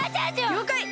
りょうかい！